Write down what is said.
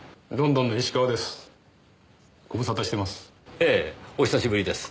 ええお久しぶりです。